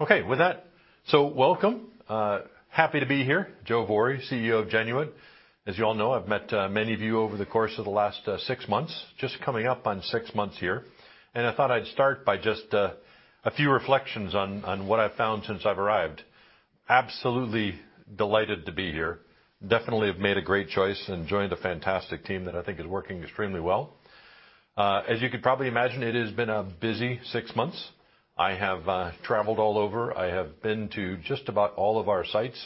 Okay, with that, welcome. Happy to be here. Joe Vorih, CEO of Genuit Group. As you all know, I've met many of you over the course of the last six months, just coming up on six months here. I thought I'd start by just a few reflections on what I've found since I've arrived. Absolutely delighted to be here. Definitely have made a great choice and joined a fantastic team that I think is working extremely well. As you could probably imagine, it has been a busy six months. I have traveled all over. I have been to just about all of our sites,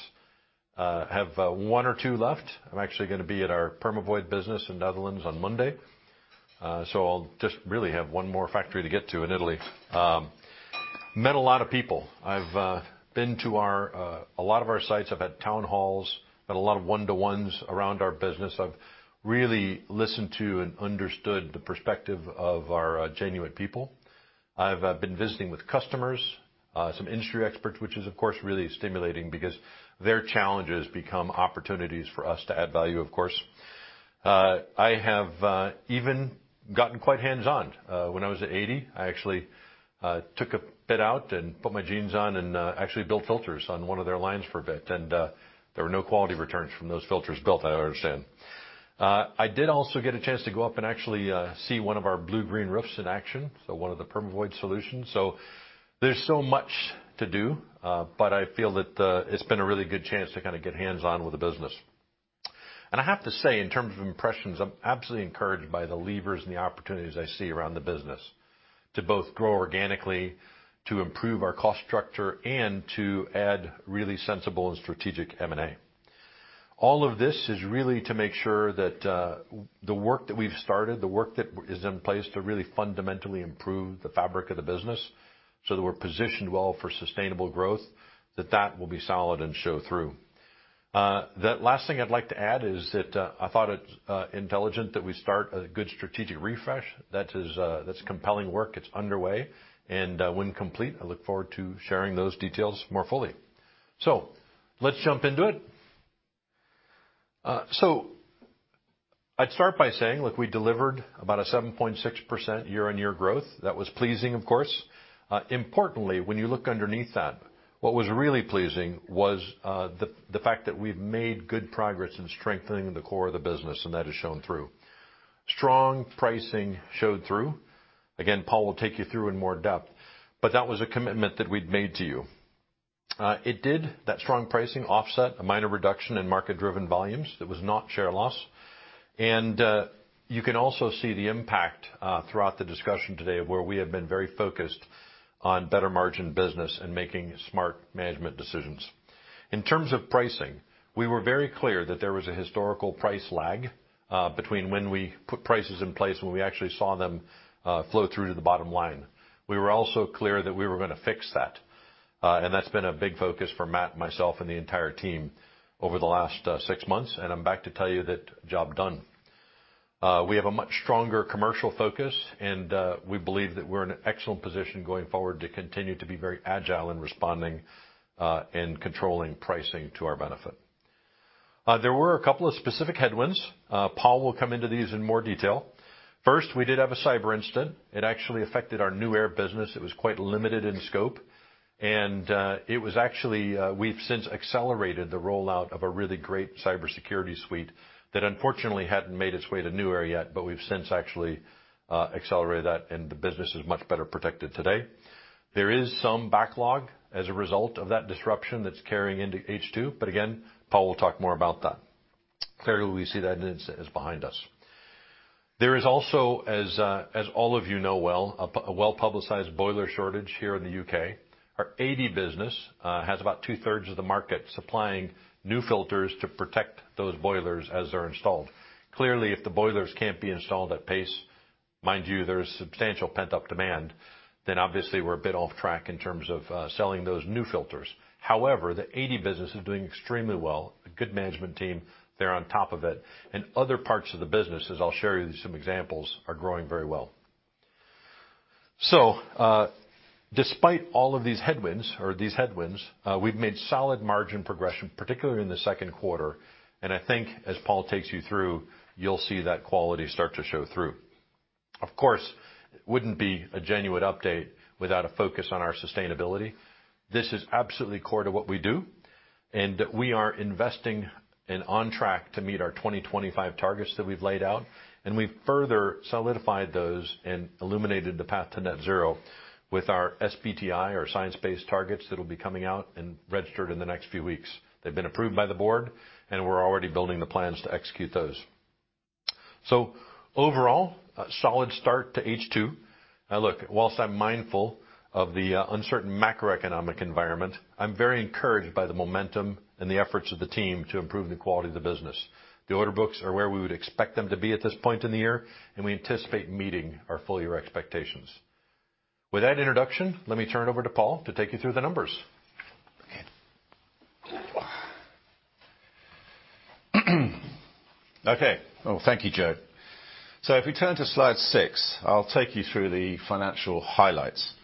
have one or two left. I'm actually gonna be at our Permavoid business in Netherlands on Monday. So I'll just really have one more factory to get to in Italy. Met a lot of people. I've been to a lot of our sites. I've had town halls, had a lot of one-to-ones around our business. I've really listened to and understood the perspective of our Genuit people. I've been visiting with customers, some industry experts, which is, of course, really stimulating because their challenges become opportunities for us to add value, of course. I have even gotten quite hands-on. When I was at ADEY, I actually took a bit out and put my jeans on and actually built filters on one of their lines for a bit. There were no quality returns from those filters I built, I understand. I did also get a chance to go up and actually see one of our blue-green roofs in action, so one of the Permavoid solutions. There's so much to do, but I feel that it's been a really good chance to kinda get hands-on with the business. I have to say, in terms of impressions, I'm absolutely encouraged by the levers and the opportunities I see around the business to both grow organically, to improve our cost structure, and to add really sensible and strategic M&A. All of this is really to make sure that the work that we've started, the work that is in place to really fundamentally improve the fabric of the business so that we're positioned well for sustainable growth, that will be solid and show through. The last thing I'd like to add is that I thought it's intelligent that we start a good strategic refresh. That is, that's compelling work. It's underway, and when complete, I look forward to sharing those details more fully. Let's jump into it. I'd start by saying, look, we delivered about 7.6% year-on-year growth. That was pleasing, of course. Importantly, when you look underneath that, what was really pleasing was the fact that we've made good progress in strengthening the core of the business, and that has shown through. Strong pricing showed through. Again, Paul will take you through in more depth, but that was a commitment that we'd made to you. It did, that strong pricing, offset a minor reduction in market-driven volumes that was not share loss. You can also see the impact throughout the discussion today of where we have been very focused on better margin business and making smart management decisions. In terms of pricing, we were very clear that there was a historical price lag between when we put prices in place, when we actually saw them flow through to the bottom line. We were also clear that we were gonna fix that. That's been a big focus for Matt and myself and the entire team over the last six months, and I'm back to tell you that job done. We have a much stronger commercial focus and we believe that we're in an excellent position going forward to continue to be very agile in responding and controlling pricing to our benefit. There were a couple of specific headwinds. Paul will come into these in more detail. First, we did have a cyber incident. It actually affected our Nuaire business. It was quite limited in scope. It was actually, we've since accelerated the rollout of a really great cybersecurity suite that unfortunately hadn't made its way to Nuaire yet. We've since actually accelerated that, and the business is much better protected today. There is some backlog as a result of that disruption that's carrying into H2. Again, Paul will talk more about that. Clearly, we see that incident is behind us. There is also, as all of you know well, a well-publicized boiler shortage here in the U.K. Our ADEY business has about two-thirds of the market supplying new filters to protect those boilers as they're installed. Clearly, if the boilers can't be installed at pace, mind you, there's substantial pent-up demand, then obviously we're a bit off track in terms of selling those new filters. However, the 80 business is doing extremely well. A good management team, they're on top of it. Other parts of the business, as I'll show you some examples, are growing very well. Despite all of these headwinds, we've made solid margin progression, particularly in the second quarter, and I think as Paul takes you through, you'll see that quality start to show through. Of course, it wouldn't be a Genuit update without a focus on our sustainability. This is absolutely core to what we do, and we are investing and on track to meet our 2025 targets that we've laid out, and we've further solidified those and illuminated the path to net zero with our SBTI, our science-based targets, that'll be coming out and registered in the next few weeks. They've been approved by the board, and we're already building the plans to execute those. Overall, a solid start to H2. Now look, while I'm mindful of the uncertain macroeconomic environment, I'm very encouraged by the momentum and the efforts of the team to improve the quality of the business. The order books are where we would expect them to be at this point in the year, and we anticipate meeting our full year expectations. With that introduction, let me turn it over to Paul to take you through the numbers. Okay. Oh, thank you, Joe. If we turn to slide six, I'll take you through the financial highlights.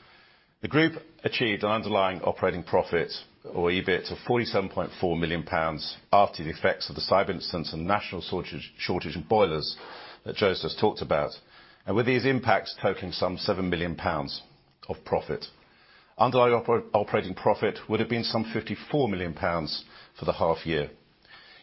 The group achieved an underlying operating profit or EBIT of 47.4 million pounds after the effects of the cyber incidents and national shortage in boilers that Joe's just talked about, and with these impacts totaling some 7 million pounds of profit. Underlying operating profit would have been some 54 million pounds for the half year.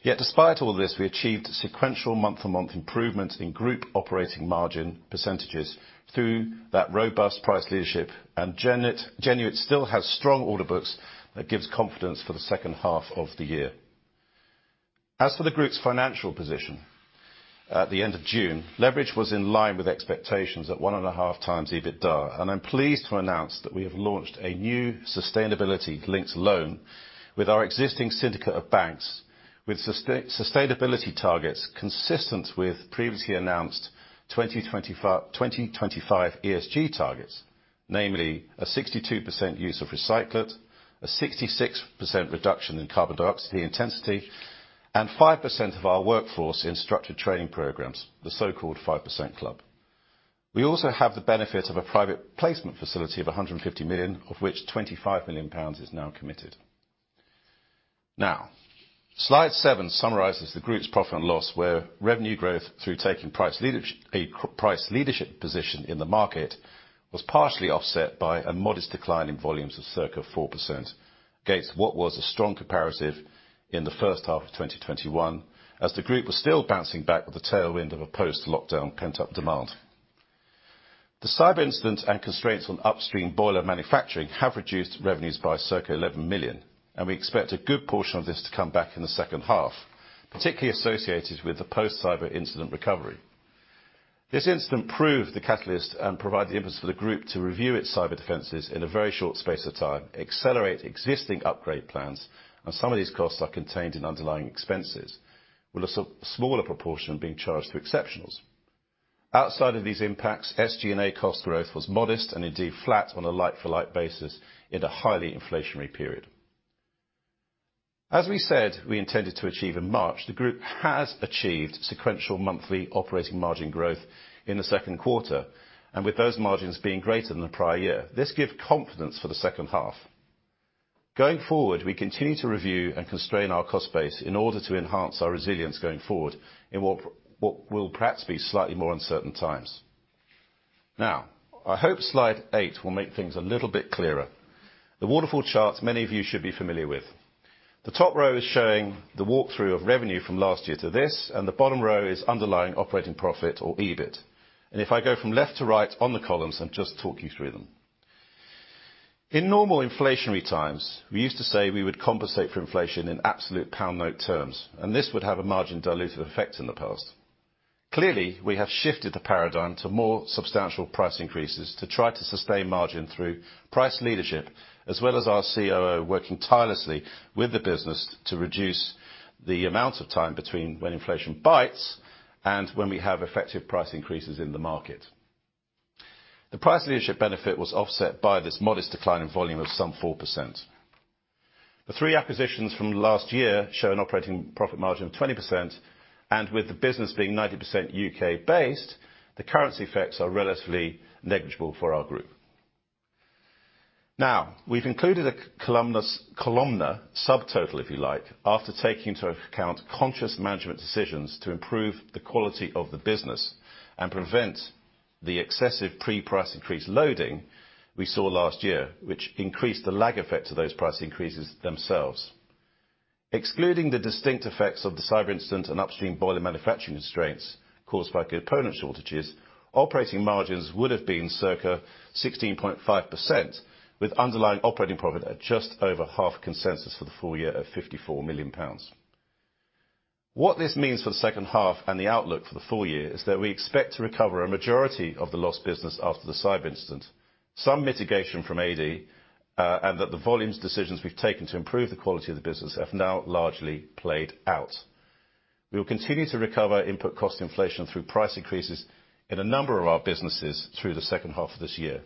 Yet despite all this, we achieved sequential month-on-month improvements in group operating margin percentages through that robust price leadership. Genuit still has strong order books that gives confidence for the second half of the year. As for the group's financial position, at the end of June, leverage was in line with expectations at 1.5x EBITDA. I'm pleased to announce that we have launched a new sustainability linked loan with our existing syndicate of banks with sustainability targets consistent with previously announced 2025 ESG targets, namely a 62% use of recyclate, a 66% reduction in carbon dioxide intensity, and 5% of our workforce in structured training programs, the so-called The 5% Club. We also have the benefit of a private placement facility of 150 million, of which 25 million pounds is now committed. Now, slide seven summarizes the group's profit and loss, where revenue growth through taking price leadership, a price leadership position in the market was partially offset by a modest decline in volumes of circa 4% against what was a strong comparative in the first half of 2021, as the group was still bouncing back with the tailwind of a post-lockdown pent-up demand. The cyber incident and constraints on upstream boiler manufacturing have reduced revenues by circa 11 million, and we expect a good portion of this to come back in the second half, particularly associated with the post-cyber incident recovery. This incident proved the catalyst and provided the impetus for the group to review its cyber defenses in a very short space of time, accelerate existing upgrade plans, and some of these costs are contained in underlying expenses, with a smaller proportion being charged through exceptionals. Outside of these impacts, SG&A cost growth was modest and indeed flat on a like-for-like basis in a highly inflationary period. As we said we intended to achieve in March, the group has achieved sequential monthly operating margin growth in the second quarter, and with those margins being greater than the prior year, this give confidence for the second half. Going forward, we continue to review and constrain our cost base in order to enhance our resilience going forward in what will perhaps be slightly more uncertain times. Now, I hope slide eight will make things a little bit clearer. The waterfall chart many of you should be familiar with. The top row is showing the walk-through of revenue from last year to this, and the bottom row is underlying operating profit or EBIT. If I go from left to right on the columns and just talk you through them. In normal inflationary times, we used to say we would compensate for inflation in absolute pound note terms, and this would have a margin dilutive effect in the past. Clearly, we have shifted the paradigm to more substantial price increases to try to sustain margin through price leadership, as well as our COO working tirelessly with the business to reduce the amount of time between when inflation bites and when we have effective price increases in the market. The price leadership benefit was offset by this modest decline in volume of some 4%. The three acquisitions from last year show an operating profit margin of 20%, and with the business being 90% U.K.-based, the currency effects are relatively negligible for our group. Now, we've included a column subtotal, if you like, after taking into account conscious management decisions to improve the quality of the business and prevent the excessive pre-price increase loading we saw last year, which increased the lag effect to those price increases themselves. Excluding the distinct effects of the cyber incident and upstream boiler manufacturing constraints caused by component shortages, operating margins would have been circa 16.5%, with underlying operating profit at just over half consensus for the full year of 54 million pounds. What this means for the second half and the outlook for the full year is that we expect to recover a majority of the lost business after the cyber incident, some mitigation from ADEY, and that the volumes decisions we've taken to improve the quality of the business have now largely played out. We will continue to recover input cost inflation through price increases in a number of our businesses through the second half of this year,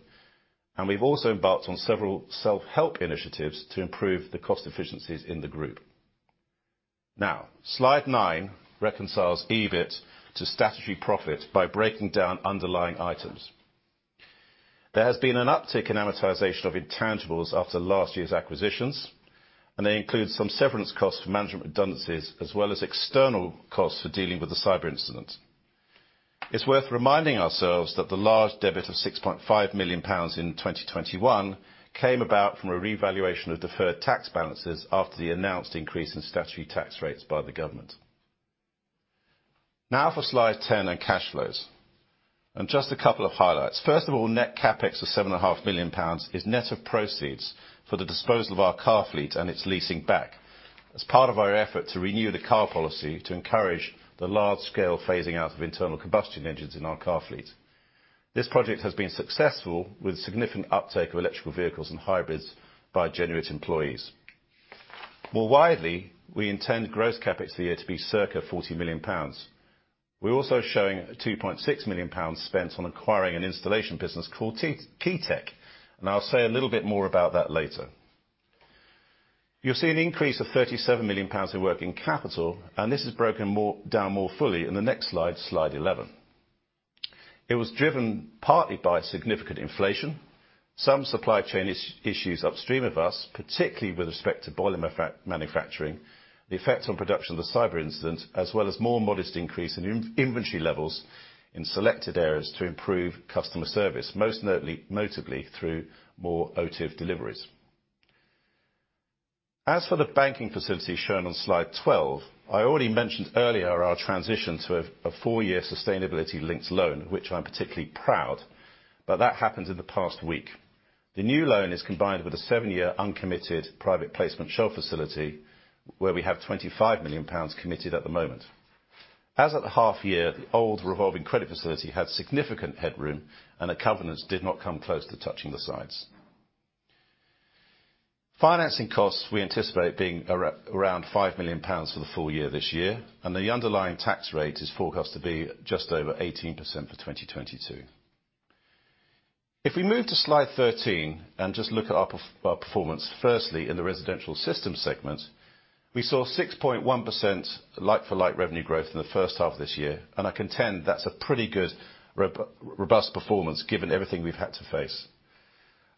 and we've also embarked on several self-help initiatives to improve the cost efficiencies in the group. Now, slide nine reconciles EBIT to statutory profit by breaking down underlying items. There has been an uptick in amortization of intangibles after last year's acquisitions, and they include some severance costs for management redundancies as well as external costs for dealing with the cyber incident. It's worth reminding ourselves that the large debit of 6.5 million pounds in 2021 came about from a revaluation of deferred tax balances after the announced increase in statutory tax rates by the government. Now for slide 10 on cash flows, and just a couple of highlights. First of all, net CapEx of 7.5 million pounds is net of proceeds for the disposal of our car fleet and its leasing back as part of our effort to renew the car policy to encourage the large scale phasing out of internal combustion engines in our car fleet. This project has been successful with significant uptake of electric vehicles and hybrids by Genuit employees. More widely, we intend gross CapEx for the year to be circa 40 million pounds. We're also showing a 2.6 million pounds spent on acquiring an installation business called Keytec, and I'll say a little bit more about that later. You'll see an increase of 37 million pounds in working capital, and this is broken down more fully in the next slide 11. It was driven partly by significant inflation, some supply chain issues upstream of us, particularly with respect to boiler manufacturing, the effect on production of the cyber incident, as well as more modest increase in inventory levels in selected areas to improve customer service, most notably through more OTIF deliveries. As for the banking facility shown on slide 12, I already mentioned earlier our transition to a four-year sustainability linked loan, which I'm particularly proud, but that happened in the past week. The new loan is combined with a seven-year uncommitted private placement shelf facility, where we have 25 million pounds committed at the moment. As at the half year, the old revolving credit facility had significant headroom, and the covenants did not come close to touching the sides. Financing costs, we anticipate being around 5 million pounds for the full year this year, and the underlying tax rate is forecast to be just over 18% for 2022. If we move to slide 13 and just look at our performance, firstly, in the residential system segment, we saw 6.1% like-for-like revenue growth in the first half of this year, and I contend that's a pretty good robust performance given everything we've had to face.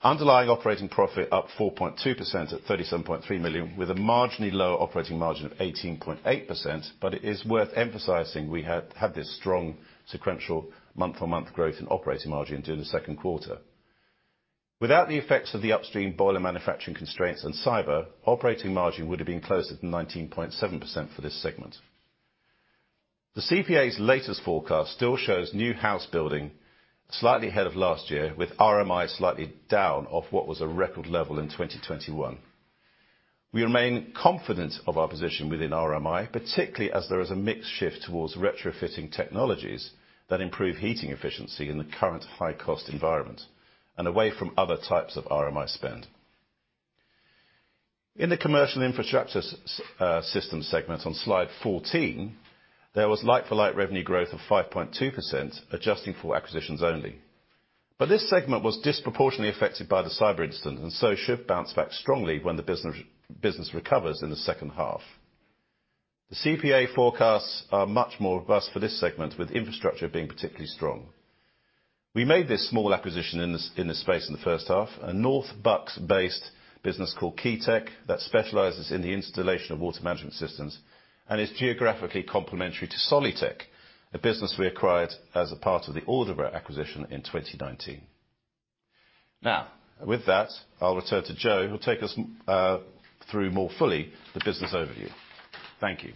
Underlying operating profit up 4.2% at 37.3 million, with a marginally lower operating margin of 18.8%. It is worth emphasizing we had this strong sequential month-on-month growth in operating margin during the second quarter. Without the effects of the upstream boiler manufacturing constraints and cyber, operating margin would have been closer to 19.7% for this segment. The CPA's latest forecast still shows new house building slightly ahead of last year, with RMI slightly down off what was a record level in 2021. We remain confident of our position within RMI, particularly as there is a mixed shift towards retrofitting technologies that improve heating efficiency in the current high-cost environment and away from other types of RMI spend. In the commercial infrastructure system segment on Slide 14, there was like-for-like revenue growth of 5.2%, adjusting for acquisitions only. This segment was disproportionately affected by the cyber incident and so should bounce back strongly when the business recovers in the second half. The CPA forecasts are much more robust for this segment, with infrastructure being particularly strong. We made this small acquisition in the space in the first half, a North Bucks based business called Keytec that specializes in the installation of water management systems and is geographically complementary to Soliteq, a business we acquired as a part of the Alderburgh acquisition in 2019. Now, with that, I'll return to Joe, who'll take us through more fully the business overview. Thank you.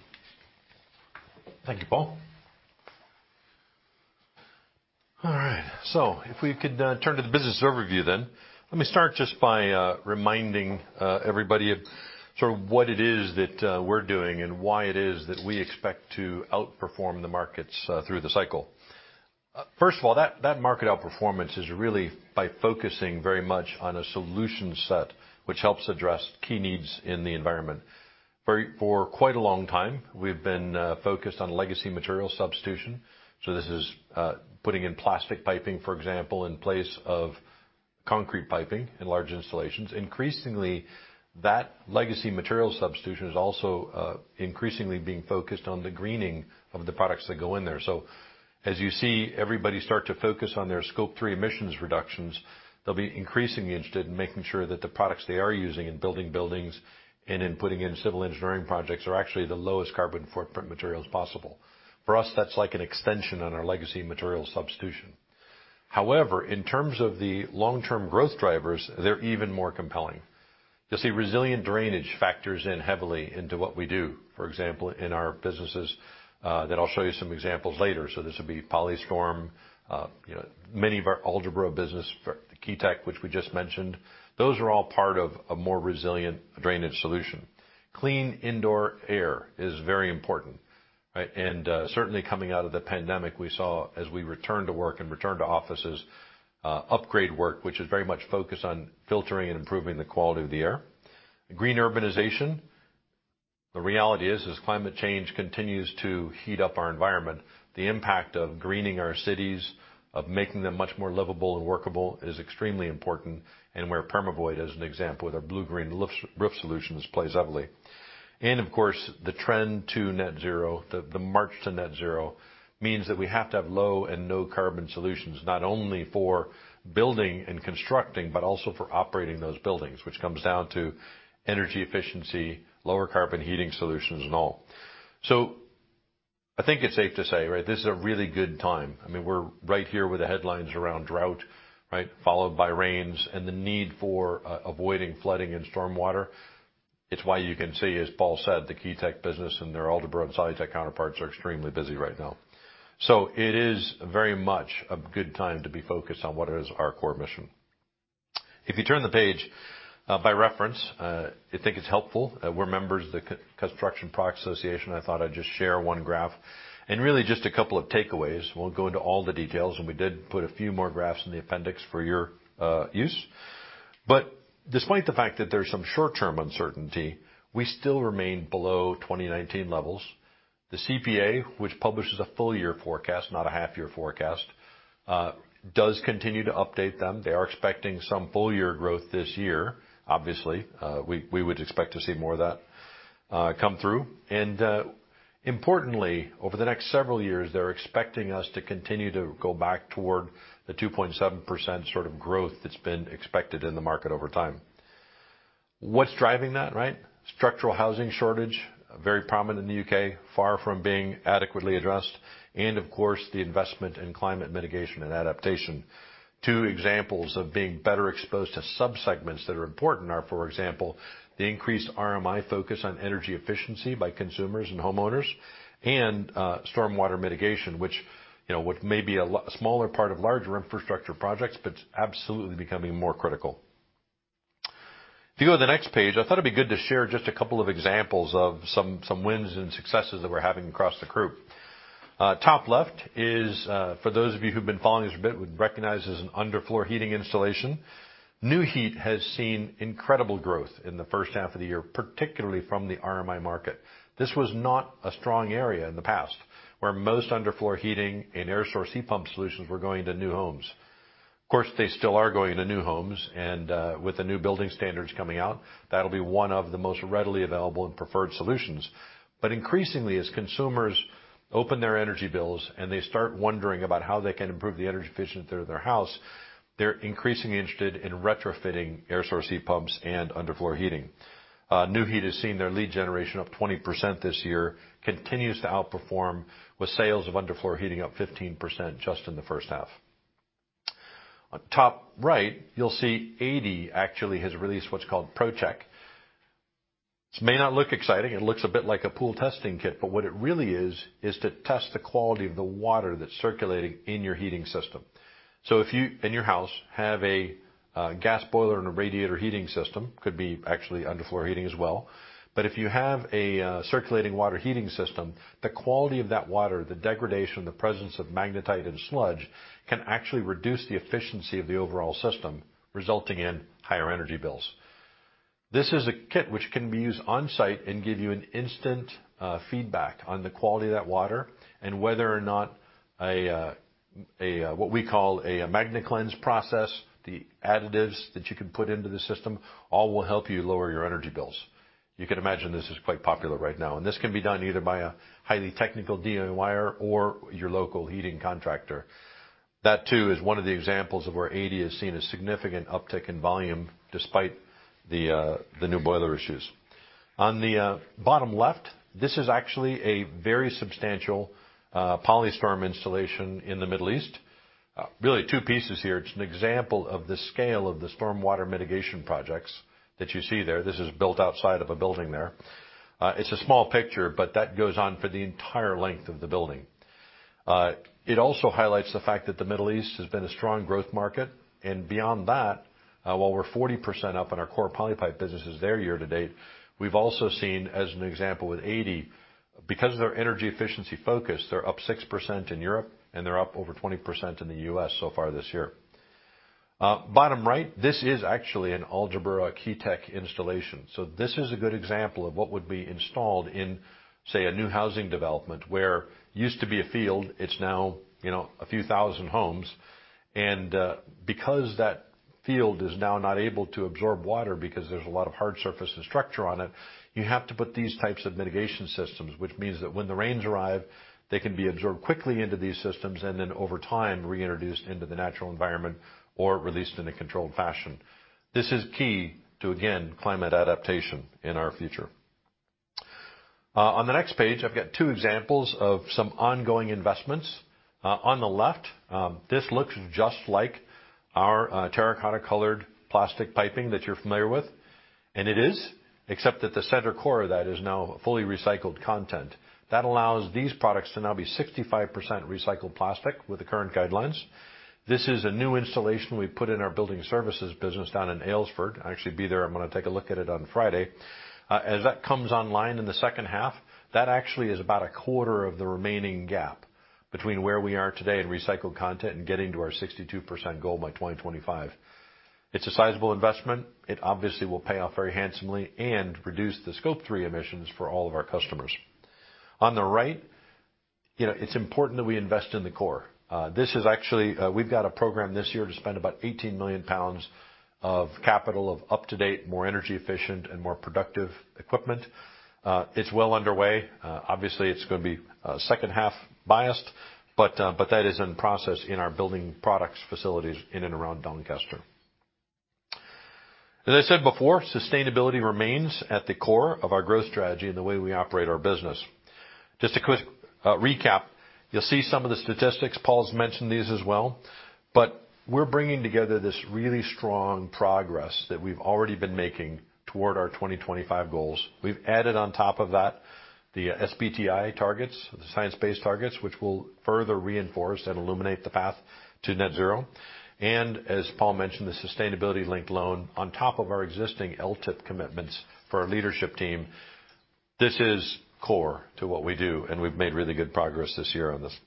Thank you, Paul. All right. If we could turn to the business overview then. Let me start just by reminding everybody of sort of what it is that we're doing and why it is that we expect to outperform the markets through the cycle. First of all, that market outperformance is really by focusing very much on a solution set which helps address key needs in the environment. For quite a long time, we've been focused on legacy material substitution. This is putting in plastic piping, for example, in place of concrete piping in large installations. Increasingly, that legacy material substitution is also increasingly being focused on the greening of the products that go in there. As you see everybody start to focus on their Scope 3 emissions reductions, they'll be increasingly interested in making sure that the products they are using in building buildings and in putting in civil engineering projects are actually the lowest carbon footprint materials possible. For us, that's like an extension on our legacy material substitution. However, in terms of the long-term growth drivers, they're even more compelling. You'll see resilient drainage factors in heavily into what we do, for example, in our businesses, that I'll show you some examples later. This would be Polystorm, many of our Alderburgh business, Keytec, which we just mentioned. Those are all part of a more resilient drainage solution. Clean indoor air is very important, right? Certainly coming out of the pandemic, we saw as we returned to work and returned to offices, upgrade work, which is very much focused on filtering and improving the quality of the air. Green urbanization. The reality is, as climate change continues to heat up our environment, the impact of greening our cities, of making them much more livable and workable is extremely important, and where Permavoid, as an example, with our blue-green roof solutions plays heavily. Of course, the trend to net zero, the march to net zero means that we have to have low and no carbon solutions, not only for building and constructing, but also for operating those buildings, which comes down to energy efficiency, lower carbon heating solutions and all. I think it's safe to say, right, this is a really good time. I mean, we're right here with the headlines around drought, right? Followed by rains and the need for avoiding flooding and stormwater. It's why you can see, as Paul said, the Keytec business and their Alderburgh and Soliteq counterparts are extremely busy right now. It is very much a good time to be focused on what is our core mission. If you turn the page, by reference, I think it's helpful. We're members of the Construction Products Association. I thought I'd just share one graph and really just a couple of takeaways. Won't go into all the details, and we did put a few more graphs in the appendix for your use. Despite the fact that there's some short-term uncertainty, we still remain below 2019 levels. The CPA, which publishes a full year forecast, not a half year forecast, does continue to update them. They are expecting some full year growth this year. Obviously, we would expect to see more of that, come through. Importantly, over the next several years, they're expecting us to continue to go back toward the 2.7% sort of growth that's been expected in the market over time. What's driving that, right? Structural housing shortage, very prominent in the U.K., far from being adequately addressed, and of course, the investment in climate mitigation and adaptation. Two examples of being better exposed to subsegments that are important are, for example, the increased RMI focus on energy efficiency by consumers and homeowners and, stormwater mitigation, which, you know, may be a lot smaller part of larger infrastructure projects, but it's absolutely becoming more critical. If you go to the next page, I thought it'd be good to share just a couple of examples of some wins and successes that we're having across the group. Top left is, for those of you who've been following us a bit, would recognize as an underfloor heating installation. Nu-Heat has seen incredible growth in the first half of the year, particularly from the RMI market. This was not a strong area in the past, where most underfloor heating and air source heat pump solutions were going to new homes. Of course, they still are going to new homes, and, with the new building standards coming out, that'll be one of the most readily available and preferred solutions. Increasingly, as consumers open their energy bills and they start wondering about how they can improve the energy efficiency of their house, they're increasingly interested in retrofitting air source heat pumps and underfloor heating. Nu-Heat has seen their lead generation up 20% this year, continues to outperform with sales of underfloor heating up 15% just in the first half. On top right, you'll see ADEY actually has released what's called ProCheck. This may not look exciting. It looks a bit like a pool testing kit, but what it really is to test the quality of the water that's circulating in your heating system. If you, in your house, have a, gas boiler and a radiator heating system, could be actually underfloor heating as well. If you have a circulating water heating system, the quality of that water, the degradation, the presence of magnetite and sludge, can actually reduce the efficiency of the overall system, resulting in higher energy bills. This is a kit which can be used on-site and give you an instant feedback on the quality of that water and whether or not what we call a MagnaCleanse process, the additives that you can put into the system, all will help you lower your energy bills. You can imagine this is quite popular right now, and this can be done either by a highly technical DIYer or your local heating contractor. That, too, is one of the examples of where ADEY has seen a significant uptick in volume despite the new boiler issues. On the bottom left, this is actually a very substantial Polystorm installation in the Middle East. Really two pieces here. It's an example of the scale of the stormwater mitigation projects that you see there. This is built outside of a building there. It's a small picture, but that goes on for the entire length of the building. It also highlights the fact that the Middle East has been a strong growth market. Beyond that, while we're 40% up on our core Polypipe businesses there year to date, we've also seen, as an example with ADEY, because of their energy efficiency focus, they're up 6% in Europe, and they're up over 20% in the U.S. So far this year. Bottom right, this is actually an Alderburgh Keytec installation. This is a good example of what would be installed in, say, a new housing development where used to be a field, it's now, you know, a few thousand homes. Because that field is now not able to absorb water because there's a lot of hard surface and structure on it, you have to put these types of mitigation systems, which means that when the rains arrive, they can be absorbed quickly into these systems and then over time, reintroduced into the natural environment or released in a controlled fashion. This is key to, again, climate adaptation in our future. On the next page, I've got two examples of some ongoing investments. On the left, this looks just like our terracotta-colored plastic piping that you're familiar with. It is, except that the center core of that is now fully recycled content. That allows these products to now be 65% recycled plastic with the current guidelines. This is a new installation we put in our building services business down in Aylesford. I'll actually be there. I'm gonna take a look at it on Friday. As that comes online in the second half, that actually is about a quarter of the remaining gap between where we are today in recycled content and getting to our 62% goal by 2025. It's a sizable investment. It obviously will pay off very handsomely and reduce the Scope 3 emissions for all of our customers. On the right, you know, it's important that we invest in the core. This is actually we've got a program this year to spend about 18 million pounds in CapEx on up-to-date, more energy efficient and more productive equipment. It's well underway. Obviously, it's gonna be second half biased, but that is in process in our building products facilities in and around Doncaster. As I said before, sustainability remains at the core of our growth strategy and the way we operate our business. Just a quick recap. You'll see some of the statistics. Paul's mentioned these as well, but we're bringing together this really strong progress that we've already been making toward our 2025 goals. We've added on top of that the SBTI targets, the science-based targets, which will further reinforce and illuminate the path to net zero. As Paul mentioned, the sustainability linked loan on top of our existing LTIP commitments for our leadership team. This is core to what we do, and we've made really good progress this year on this.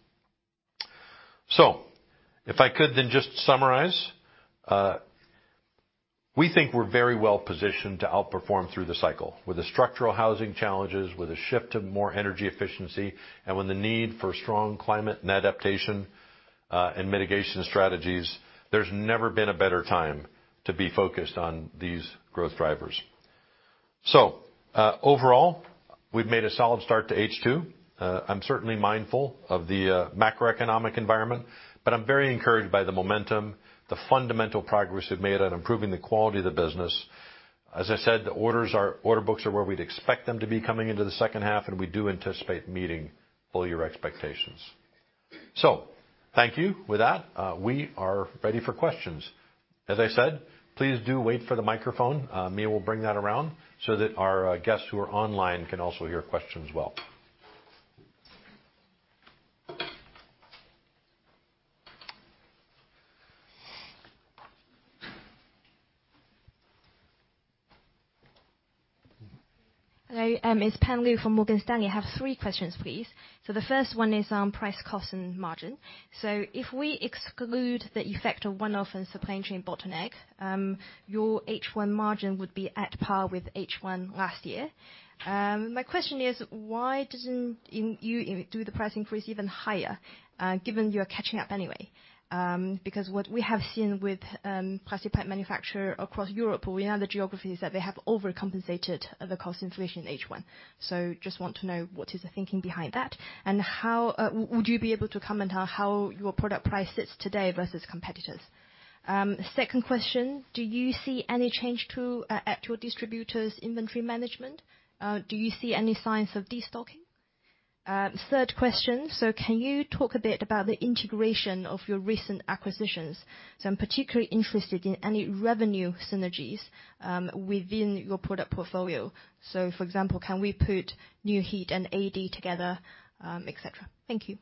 If I could then just summarize, we think we're very well positioned to outperform through the cycle. With the structural housing challenges, with a shift to more energy efficiency, and with the need for strong climate and adaptation, and mitigation strategies, there's never been a better time to be focused on these growth drivers. Overall, we've made a solid start to H2. I'm certainly mindful of the macroeconomic environment, but I'm very encouraged by the momentum, the fundamental progress we've made on improving the quality of the business. As I said, order books are where we'd expect them to be coming into the second half, and we do anticipate meeting full year expectations. Thank you. With that, we are ready for questions. As I said, please do wait for the microphone. Mia will bring that around so that our guests who are online can also hear questions well. Hello, it's Paanvee Chauhan from Morgan Stanley. I have three questions, please. The first one is on price, cost and margin. If we exclude the effect of one-off and supply chain bottleneck, your H1 margin would be at par with H1 last year. My question is, why didn't you do the price increase even higher, given you're catching up anyway? Because what we have seen with plastic pipe manufacturer across Europe or in other geographies, that they have overcompensated the cost inflation H1. Just want to know what is the thinking behind that, and how would you be able to comment on how your product price sits today versus competitors? Second question, do you see any change to distributors' inventory management? Do you see any signs of destocking? Third question, can you talk a bit about the integration of your recent acquisitions? I'm particularly interested in any revenue synergies within your product portfolio. For example, can we put Nu-Heat and ADEY together, etc.? Thank you.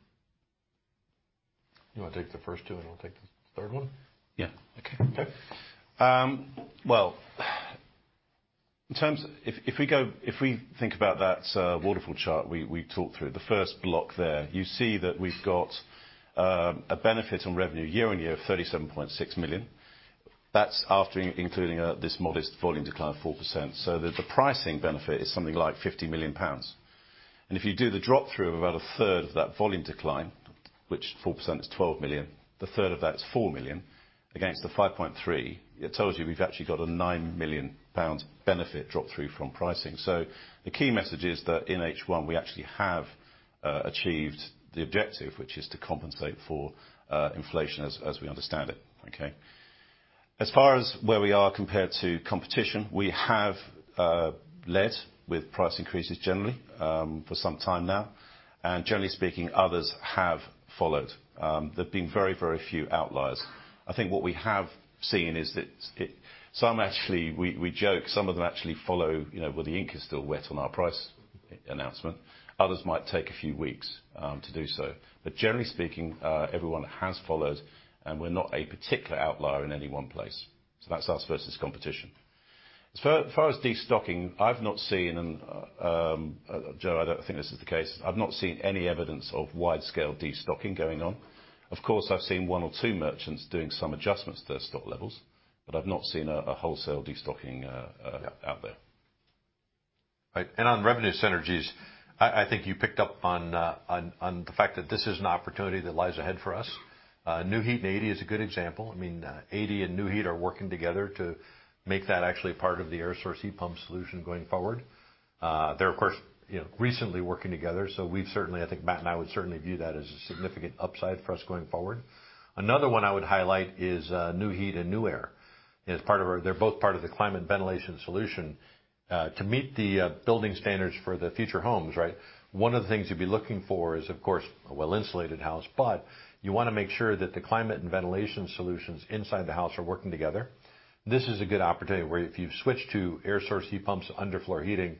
You wanna take the first two, and I'll take the third one? Yeah. Okay. Okay. Well, if we think about that waterfall chart we talked through, the first block there, you see that we've got a benefit on revenue year-on-year of 37.6 million. That's after including this modest volume decline of 4%, so the pricing benefit is somet hing like 50 million pounds. If you do the drop-through of about a third of that volume decline, which 4% is 12 million, the third of that is 4 million against the 5.3, it tells you we've actually got a 9 million pound benefit drop through from pricing. The key message is that in H1 we actually have achieved the objective, which is to compensate for inflation as we understand it, okay? As far as where we are compared to competition, we have led with price increases generally for some time now. Generally speaking, others have followed. There have been very, very few outliers. I think what we have seen is that some actually we joke some of them actually follow you know where the ink is still wet on our price announcement. Others might take a few weeks to do so. Generally speaking, everyone has followed, and we're not a particular outlier in any one place. That's us versus competition. As far as destocking, I've not seen Joe I don't think this is the case. I've not seen any evidence of wide-scale destocking going on. Of course, I've seen one or two merchants doing some adjustments to their stock levels, but I've not seen a wholesale destocking. Yeah. out there. Right. On revenue synergies, I think you picked up on the fact that this is an opportunity that lies ahead for us. Nu-Heat and ADEY is a good example. I mean, ADEY and Nu-Heat are working together to make that actually part of the air source heat pump solution going forward. They're of course, you know, recently working together, so we've certainly. I think Matt and I would certainly view that as a significant upside for us going forward. Another one I would highlight is, Nu-Heat and Nuaire as part of our. They're both part of the climate ventilation solution. To meet the building standards for the future homes, right, one of the things you'd be looking for is, of course, a well-insulated house, but you wanna make sure that the climate and ventilation solutions inside the house are working together. This is a good opportunity where if you've switched to air source heat pumps, underfloor heating,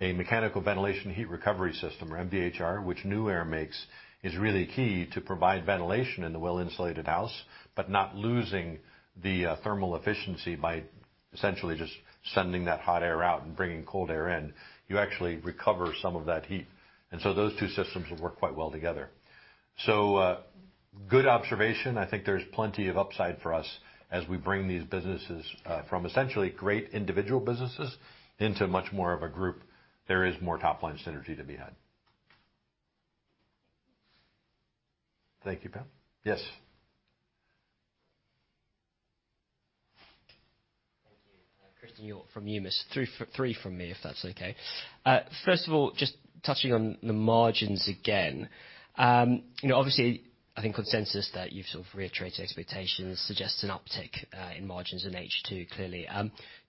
a mechanical ventilation heat recovery system or MVHR, which Nuaire makes, is really key to provide ventilation in the well-insulated house, but not losing the thermal efficiency by essentially just sending that hot air out and bringing cold air in. You actually recover some of that heat. Those two systems will work quite well together. Good observation. I think there's plenty of upside for us as we bring these businesses from essentially great individual businesses into much more of a group. There is more top-line synergy to be had. Thank you. Thank you, Pan. Yes. Thank you. Christen Sherlock from Numis. Three from me, if that's okay. First of all, just touching on the margins again. You know, obviously, I think consensus that you've sort of reiterated expectations suggests an uptick in margins in H2, clearly.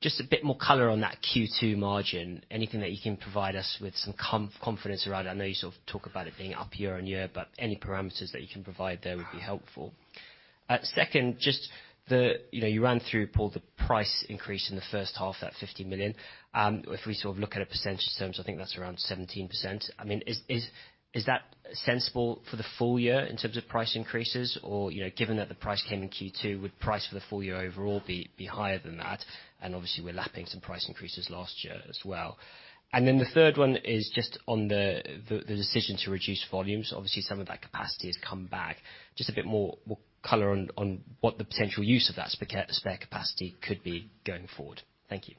Just a bit more color on that Q2 margin. Anything that you can provide us with some confidence around it? I know you sort of talked about it being up year-over-year, but any parameters that you can provide there would be helpful. Second, you know, you ran through, Paul, the price increase in the first half, that 50 million. If we sort of look at it percentage terms, I think that's around 17%. I mean, is that sensible for the full year in terms of price increases? You know, given that the price came in Q2, would price for the full year overall be higher than that? Obviously, we're lapping some price increases last year as well. The third one is just on the decision to reduce volumes. Obviously, some of that capacity has come back. Just a bit more color on what the potential use of that spare capacity could be going forward. Thank you.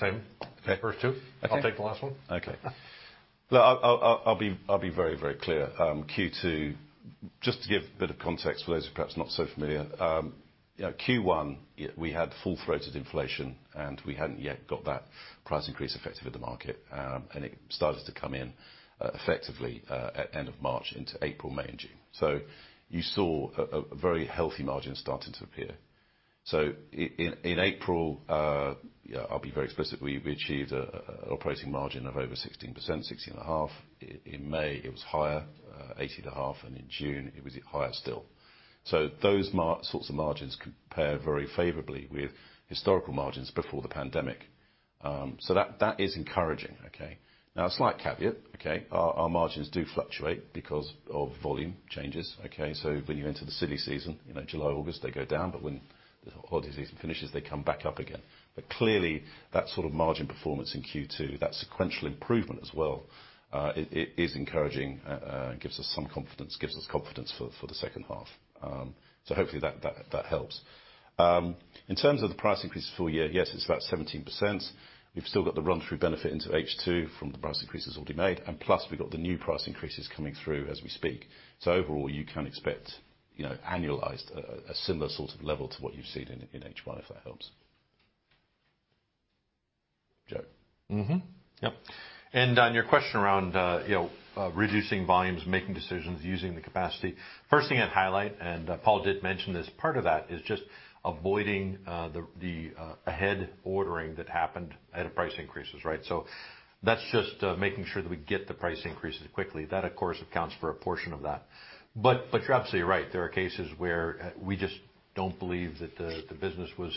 Same. Take the first two. Okay. I'll take the last one. Okay. Look, I'll be very, very clear. Q2, just to give a bit of context for those who are perhaps not so familiar, you know, Q1, we had full-throated inflation, and we hadn't yet got that price increase effective at the market. It started to come in, effectively, at end of March into April, May, and June. You saw a very healthy margin starting to appear. In April, yeah, I'll be very explicit, we achieved an operating margin of over 16%, 16.5%. In May, it was higher, 18.5%. In June, it was higher still. Those sorts of margins compare very favorably with historical margins before the pandemic. That is encouraging, okay? Now a slight caveat, okay? Our margins do fluctuate because of volume changes, okay? When you enter the silly season, you know, July, August, they go down, but when the holiday season finishes, they come back up again. Clearly that sort of margin performance in Q2, that sequential improvement as well, it is encouraging, gives us some confidence for the second half. Hopefully that helps. In terms of the price increase for full year, yes, it's about 17%. We've still got the run-through benefit into H2 from the price increases already made, and plus we've got the new price increases coming through as we speak. Overall, you can expect, you know, annualized, a similar sort of level to what you've seen in H1, if that helps. Joe. Mm-hmm. Yep. On your question around, you know, reducing volumes, making decisions, using the capacity. First thing I'd highlight, Paul did mention this, part of that is just avoiding the ahead ordering that happened ahead of price increases, right? That's just making sure that we get the price increases quickly. That, of course, accounts for a portion of that. You're absolutely right. There are cases where we just don't believe that the business was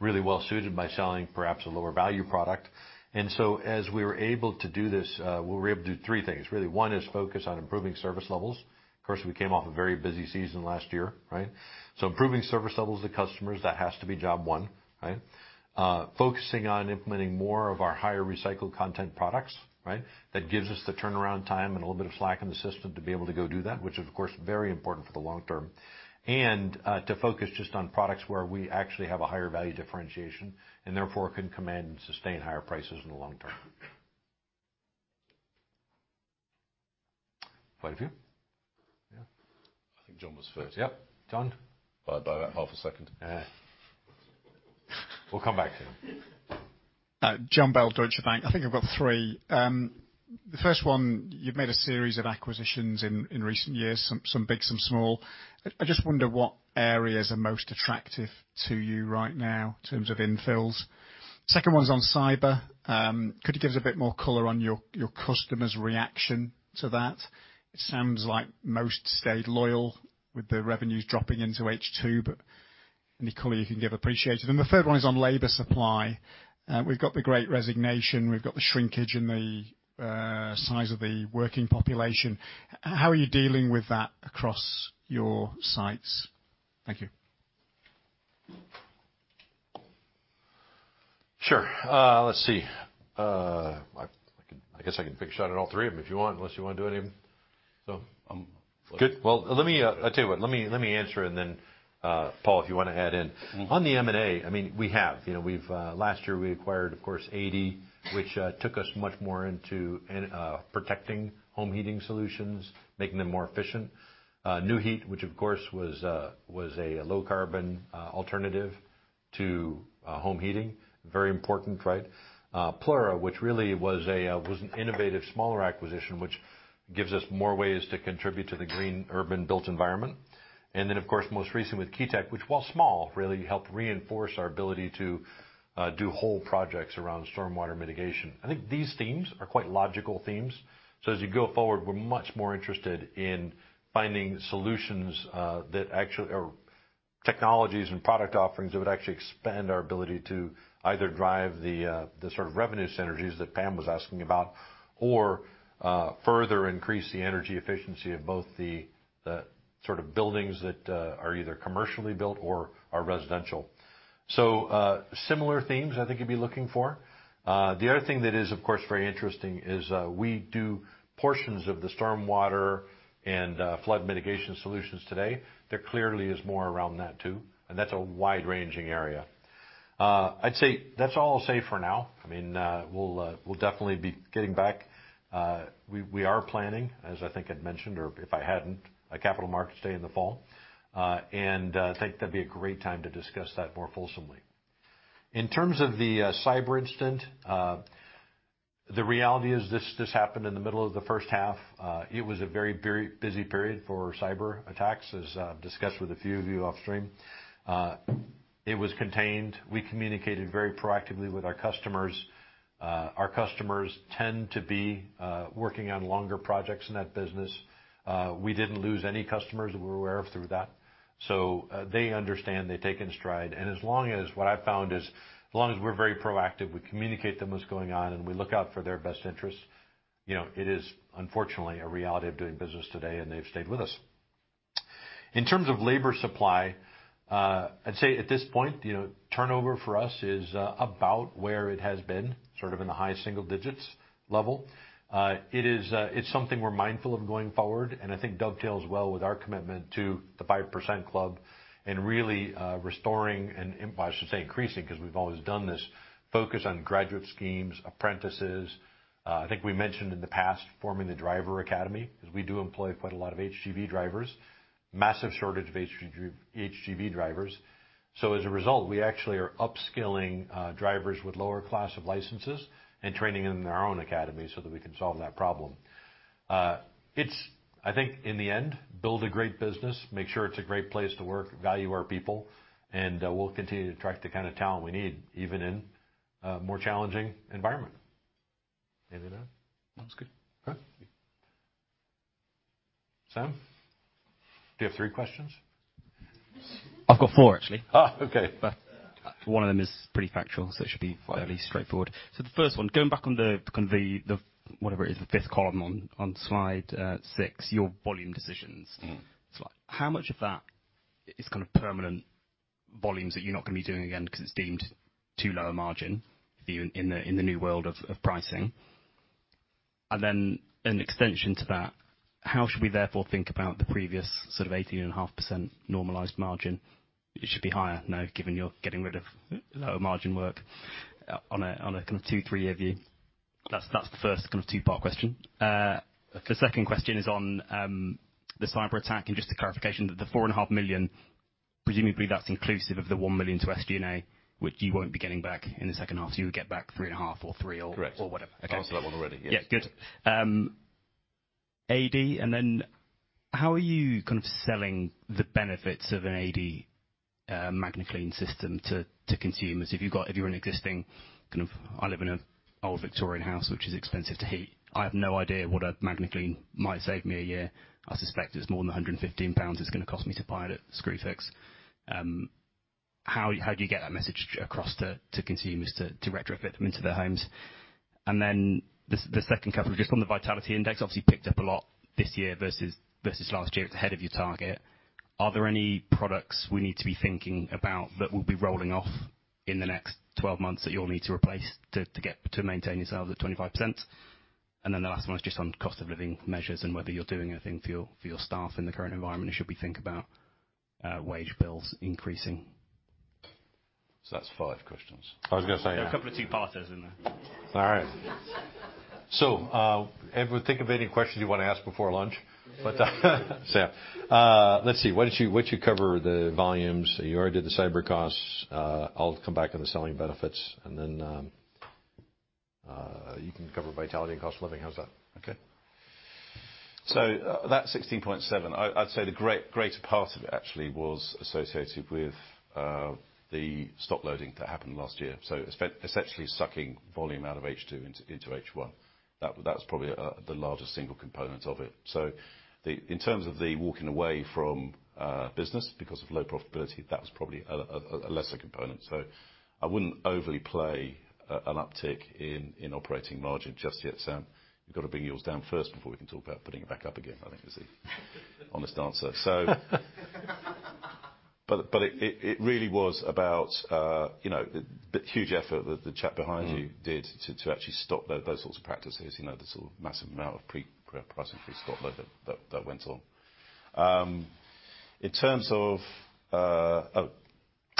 really well suited by selling perhaps a lower value product. As we were able to do this, we were able to do three things, really. One is focus on improving service levels. Of course, we came off a very busy season last year, right? Improving service levels to customers, that has to be job one, right? Focusing on implementing more of our higher recycled content products, right? That gives us the turnaround time and a little bit of slack in the system to be able to go do that, which of course is very important for the long term. To focus just on products where we actually have a higher value differentiation, and therefore can command and sustain higher prices in the long term. Quite a few. Yeah. I think Jon was first. Yep. Jon. By about half a second. We'll come back to you. Jon Bell, Deutsche Bank. I think I've got three. The first one, you've made a series of acquisitions in recent years, some big, some small. I just wonder what areas are most attractive to you right now in terms of infills. Second one's on cyber. Could you give us a bit more color on your customers' reaction to that? It sounds like most stayed loyal with the revenues dropping into H2, but any color you can give, appreciated. The third one is on labor supply. We've got the Great Resignation. We've got the shrinkage in the size of the working population. How are you dealing with that across your sites? Thank you. Sure. Let's see. I guess I can take a shot at all three of them if you want, unless you wanna do any of them. So. I'm- Good. Well, let me, I'll tell you what. Let me answer, and then, Paul, if you wanna add in. Mm-hmm. On the M&A, I mean, you know, we've last year we acquired, of course, ADEY, which took us much more into an protecting home heating solutions, making them more efficient. Nu-Heat, which of course was a low carbon alternative to home heating. Very important, right? Plura, which really was an innovative smaller acquisition, which gives us more ways to contribute to the green urban built environment. Of course, most recently with Keytec, which, while small, really helped reinforce our ability to do whole projects around stormwater mitigation. I think these themes are quite logical themes. As you go forward, we're much more interested in finding solutions that actually Technologies and product offerings that would actually expand our ability to either drive the sort of revenue synergies that Pam was asking about, or further increase the energy efficiency of both the sort of buildings that are either commercially built or are residential. Similar themes, I think you'd be looking for. The other thing that is of course very interesting is we do portions of the stormwater and flood mitigation solutions today. There clearly is more around that too, and that's a wide-ranging area. I'd say that's all I'll say for now. I mean, we'll definitely be getting back. We are planning, as I think I'd mentioned, or if I hadn't, a capital markets day in the fall. I think that'd be a great time to discuss that more fulsomely. In terms of the cyber incident, the reality is this. This happened in the middle of the first half. It was a very, very busy period for cyber attacks, as I've discussed with a few of you off stream. It was contained. We communicated very proactively with our customers. Our customers tend to be working on longer projects in that business. We didn't lose any customers that we're aware of through that. They understand, they take it in stride. What I've found is, as long as we're very proactive, we communicate to them what's going on, and we look out for their best interests, you know, it is unfortunately a reality of doing business today, and they've stayed with us. In terms of labor supply, I'd say at this point, you know, turnover for us is about where it has been. Sort of in the high single digits level. It is, it's something we're mindful of going forward, and I think dovetails well with our commitment to the 5% Club and really, restoring and, well, I should say increasing 'cause we've always done this focus on graduate schemes, apprentices. I think we mentioned in the past forming the Driver Academy, 'cause we do employ quite a lot of HGV drivers. Massive shortage of HGV drivers. As a result, we actually are upskilling drivers with lower class of licenses and training them in our own academy so that we can solve that problem. It's, I think in the end, build a great business, make sure it's a great place to work, value our people, and we'll continue to attract the kind of talent we need, even in a more challenging environment. Anything to add? No, that's good. Okay. Sam? Do you have three questions? I've got four, actually. Okay. One of them is pretty factual, so it should be fairly straightforward. The first one, going back on the kind of whatever it is, the fifth column on slide six, your volume decisions. Mm-hmm. How much of that is kind of permanent volumes that you're not gonna be doing again because it's deemed too low a margin for you in the new world of pricing? An extension to that, how should we therefore think about the previous sort of 18.5% normalized margin? It should be higher now, given you're getting rid of lower margin work on a kind of two-three-year view. That's the first kind of two-part question. The second question is on the cyberattack and just a clarification that the 4.5 million, presumably that's inclusive of the 1 million to SG&A, which you won't be getting back in the second half, so you would get back 3.5 million or 3 million or- Correct. Whatever. Okay. Answered that one already. Yeah. Yeah, good. ADEY, then how are you kind of selling the benefits of an ADEY MagnaClean system to consumers? If you're an existing kind of I live in an old Victorian house, which is expensive to heat. I have no idea what a MagnaClean might save me a year. I suspect it's more than 115 pounds it's gonna cost me to buy it at Screwfix. How do you get that message across to consumers to retrofit them into their homes? Then the second couple, just on the Vitality Index, obviously picked up a lot this year versus last year. It's ahead of your target. Are there any products we need to be thinking about that will be rolling off in the next 12 months that you'll need to replace to get to maintain yourselves at 25%? The last one is just on cost of living measures and whether you're doing anything for your staff in the current environment. Should we think about wage bills increasing? That's five questions. I was gonna say. There are a couple of two-parters in there. All right. Everyone think of any questions you wanna ask before lunch? Sam, let's see. Why don't you cover the volumes? You already did the cyber costs. I'll come back on the selling benefits, and then, you can cover vitality and cost of living. How's that? Okay. That 16.7, I'd say the greater part of it actually was associated with the stock loading that happened last year. Essentially sucking volume out of H2 into H1. That's probably the largest single component of it. In terms of the walking away from business because of low profitability, that was probably a lesser component. I wouldn't overly play an uptick in operating margin just yet, Sam. You've gotta bring yours down first before we can talk about putting it back up again, I think is the honest answer. It really was about, you know, the huge effort that the chap behind you did to actually stop those sorts of practices, you know, the sort of massive amount of pre-pricing pre-stock load that went on. In terms of, oh,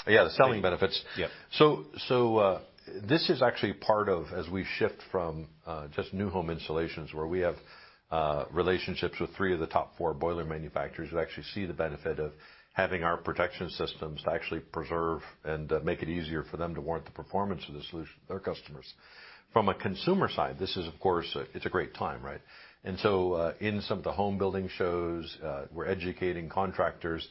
yeah, the selling benefits. Yeah. This is actually part of as we shift from just new home installations where we have relationships with three of the top four boiler manufacturers who actually see the benefit of having our protection systems to actually preserve and make it easier for them to warrant the performance of the solution to their customers. From a consumer side, this is of course, it's a great time, right? In some of the home building shows, we're educating contractors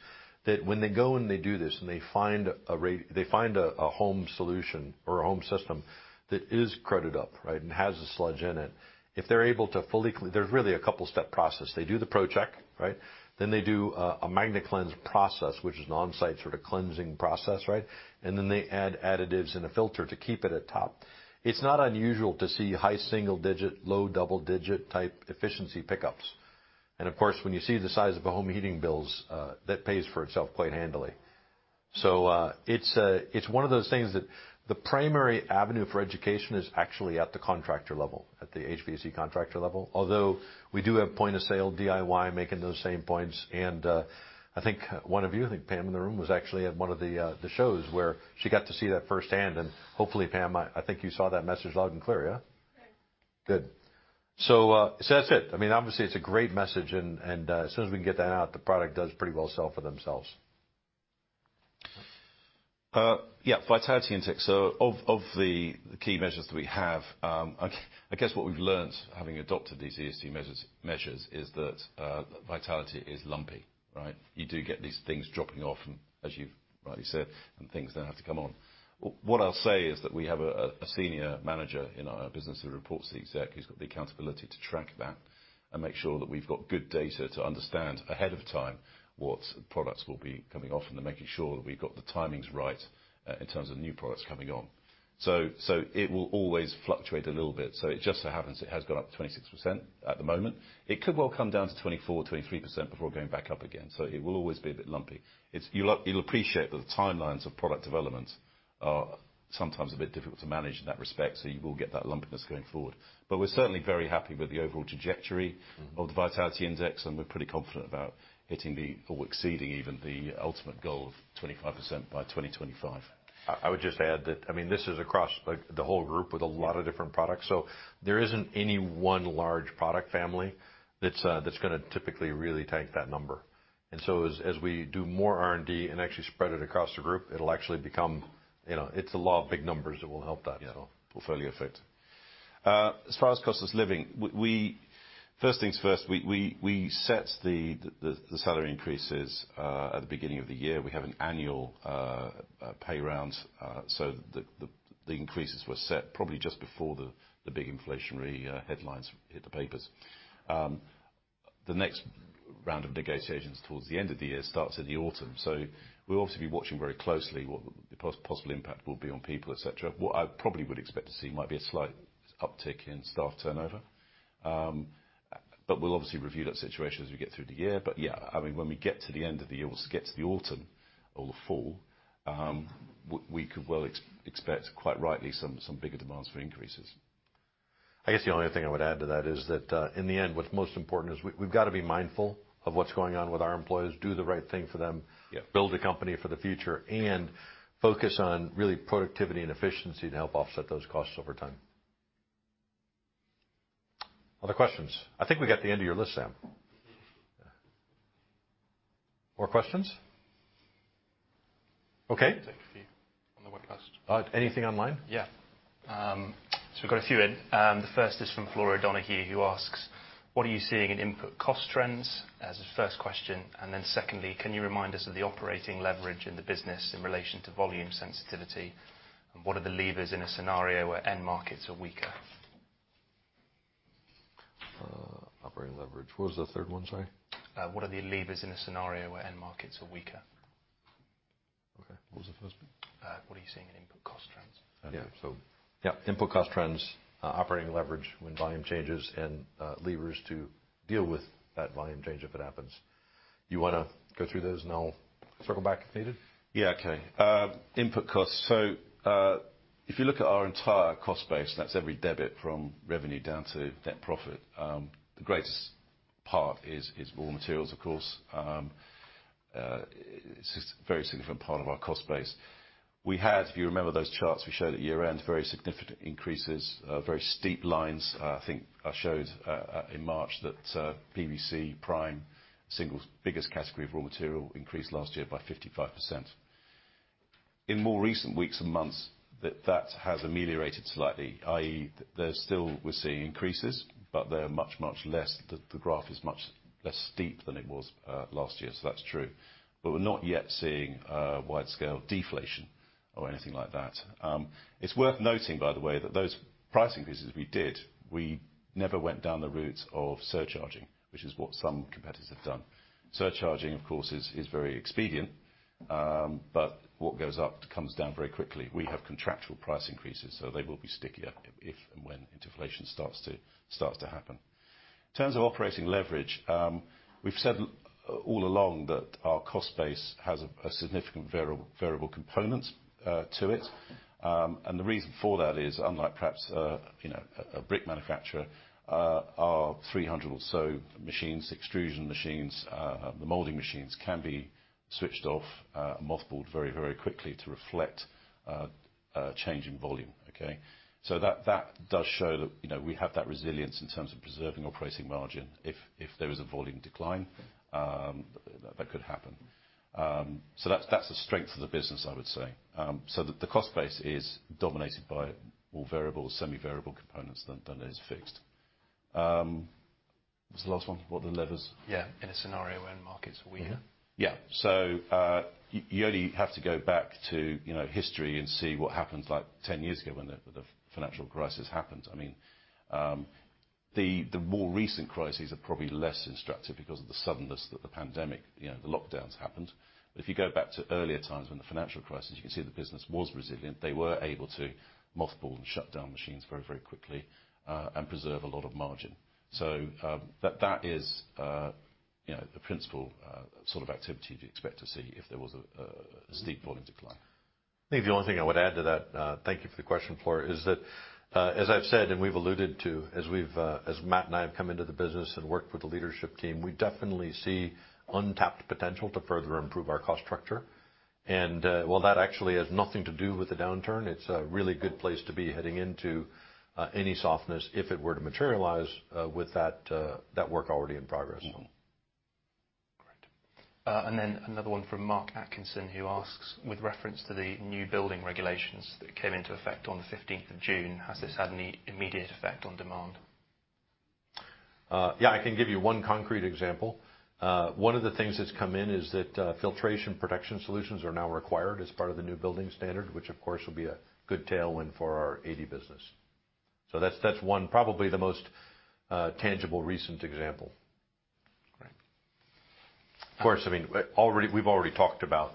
that when they go and they do this and they find a home solution or a home system that is cruded up, right, and has a sludge in it, if they're able to fully clean. There's really a couple step process. They do the ProCheck, right? Then they do a MagnaCleanse process, which is an on-site sort of cleansing process, right? And then they add additives and a filter to keep it at top. It's not unusual to see high single digit, low double digit type efficiency pickups. Of course, when you see the size of a home heating bills, that pays for itself quite handily. It's one of those things that the primary avenue for education is actually at the contractor level, at the HVAC contractor level. Although we do have point of sale DIY making those same points, and I think one of you, I think Pan in the room, was actually at one of the shows where she got to see that firsthand. Hopefully, Pan, I think you saw that message loud and clear, yeah? Yes. Good. That's it. I mean, obviously it's a great message and as soon as we can get that out, the product does pretty well sell for themselves. Vitality Index. Of the key measures that we have, I guess what we've learnt having adopted these ESG measures is that vitality is lumpy, right? You do get these things dropping off and as you've rightly said, things then have to come on. What I'll say is that we have a senior manager in our business who reports to the exec, who's got the accountability to track that and make sure that we've got good data to understand ahead of time what products will be coming off and then making sure that we've got the timings right, in terms of new products coming on. It will always fluctuate a little bit. It just so happens it has gone up 26% at the moment. It could well come down to 24, 23% before going back up again. It will always be a bit lumpy. You'll appreciate that the timelines of product development are sometimes a bit difficult to manage in that respect, so you will get that lumpiness going forward. We're certainly very happy with the overall trajectory of the Vitality Index, and we're pretty confident about hitting or exceeding even the ultimate goal of 25% by 2025. I would just add that, I mean, this is across like the whole group with a lot of different products. There isn't any one large product family that's gonna typically really tank that number. As we do more R&D and actually spread it across the group, it'll actually become, you know, it's a lot of big numbers that will help that, you know, portfolio effect. As far as cost of living, first things first, we set the salary increases at the beginning of the year. We have an annual pay round, so the increases were set probably just before the big inflationary headlines hit the papers. The next round of negotiations towards the end of the year starts in the autumn. We'll obviously be watching very closely what the possible impact will be on people, et cetera. What I probably would expect to see might be a slight uptick in staff turnover. We'll obviously review that situation as we get through the year. Yeah, I mean, when we get to the end of the year, get to the autumn or the fall, we could well expect, quite rightly, some bigger demands for increases. I guess the only other thing I would add to that is that, in the end, what's most important is we've gotta be mindful of what's going on with our employees, do the right thing for them. Yeah. Build a company for the future and focus on really productivity and efficiency to help offset those costs over time. Other questions? I think we got the end of your list, Sam. More questions? Okay. Take a few on the webcast. Anything online? We've got a few in. The first is from Flora Donahue, who asks, "What are you seeing in input cost trends?" as his first question. Secondly, "Can you remind us of the operating leverage in the business in relation to volume sensitivity, and what are the levers in a scenario where end markets are weaker? Operating leverage. What was the third one, sorry? What are the levers in a scenario where end markets are weaker? Okay. What was the first one? What are you seeing in input cost trends? Yeah. Yeah, input cost trends, operating leverage when volume changes and, levers to deal with that volume change if it happens. Do you wanna go through those and I'll circle back if needed? Yeah, okay. Input costs. If you look at our entire cost base, that's every debit from revenue down to net profit, the greatest part is raw materials, of course. It's a very significant part of our cost base. We had, if you remember those charts we showed at year-end, very significant increases, very steep lines. I think I showed in March that PVC primes, single biggest category of raw material increased last year by 55%. In more recent weeks and months, that has ameliorated slightly, i.e., there's still, we're seeing increases, but they're much, much less. The graph is much less steep than it was last year. That's true. But we're not yet seeing wide-scale deflation or anything like that. It's worth noting, by the way, that those pricing increases we did, we never went down the route of surcharging, which is what some competitors have done. Surcharging, of course, is very expedient, but what goes up comes down very quickly. We have contractual price increases, so they will be stickier if and when inflation starts to happen. In terms of operating leverage, we've said all along that our cost base has a significant variable component to it. The reason for that is, unlike perhaps, you know, a brick manufacturer, our 300 or so machines, extrusion machines, the molding machines, can be switched off, mothballed very quickly to reflect a change in volume. Okay? That does show that, you know, we have that resilience in terms of preserving operating margin if there is a volume decline that could happen. That’s a strength of the business, I would say. The cost base is dominated by more variable, semi-variable components than is fixed. What’s the last one? What the levers? Yeah. In a scenario when market's weaker. You only have to go back to, you know, history and see what happened like 10 years ago when the financial crisis happened. I mean, the more recent crises are probably less instructive because of the suddenness that the pandemic, you know, the lockdowns happened. If you go back to earlier times in the financial crisis, you can see the business was resilient. They were able to mothball and shut down machines very, very quickly and preserve a lot of margin. That is, you know, the principal sort of activity you'd expect to see if there was a steep volume decline. I think the only thing I would add to that, thank you for the question, Flora, is that, as I've said and we've alluded to, as Matt and I have come into the business and worked with the leadership team, we definitely see untapped potential to further improve our cost structure. While that actually has nothing to do with the downturn, it's a really good place to be heading into, any softness if it were to materialize, with that work already in progress. Mm-hmm. Great. Another one from Mark Atkinson, who asks, "With reference to the new building regulations that came into effect on the fifteenth of June, has this had any immediate effect on demand? Yeah, I can give you one concrete example. One of the things that's come in is that filtration protection solutions are now required as part of the new building standard, which of course will be a good tailwind for our ADEY business. That's one, probably the most tangible recent example. Great. Of course, I mean, already, we've already talked about,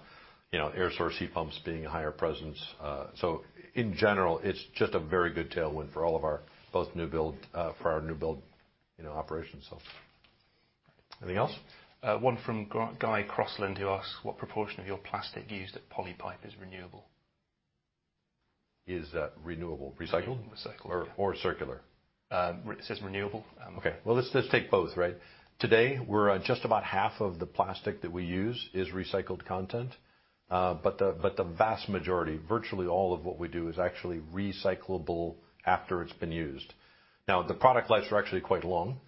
you know, air source heat pumps being a higher presence. In general, it's just a very good tailwind for all of our new build operations. Anything else? One from Guy Crossland, who asks, "What proportion of your plastic used at Polypipe is renewable? Is renewable. Recycled? Recycled. circular? It says renewable. Okay, well, let's take both, right? Today, we're at just about half of the plastic that we use is recycled content. But the vast majority, virtually all of what we do, is actually recyclable after it's been used. Now, the product lives are actually quite long,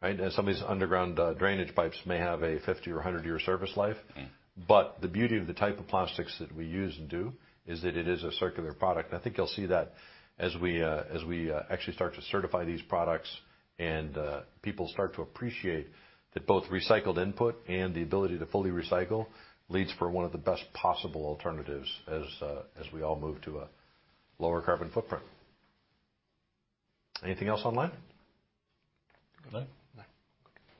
right? Some of these underground drainage pipes may have a 50 or 100-year service life. Mm-hmm. The beauty of the type of plastics that we use and do is that it is a circular product. I think you'll see that as we actually start to certify these products and people start to appreciate that both recycled input and the ability to fully recycle leads to one of the best possible alternatives as we all move to a lower carbon footprint. Anything else online? No. No.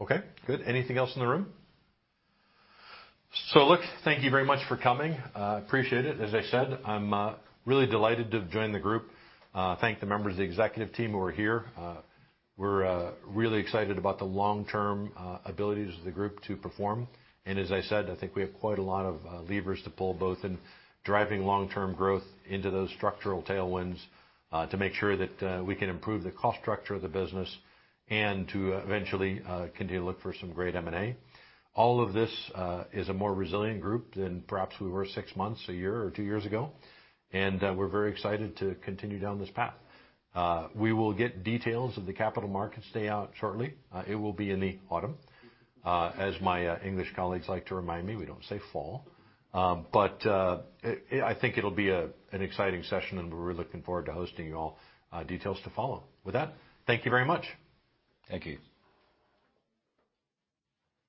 Okay, good. Anything else in the room? Look, thank you very much for coming. Appreciate it. As I said, I'm really delighted to have joined the group. Thank the members of the executive team who are here. We're really excited about the long-term abilities of the group to perform. As I said, I think we have quite a lot of levers to pull, both in driving long-term growth into those structural tailwinds, to make sure that we can improve the cost structure of the business and to eventually continue to look for some great M&A. All of this is a more resilient group than perhaps we were six months, a year, or two years ago, and we're very excited to continue down this path. We will get details of the capital markets day out shortly. It will be in the autumn. As my English colleagues like to remind me, we don't say fall. I think it'll be an exciting session, and we're really looking forward to hosting you all. Details to follow. With that, thank you very much. Thank you.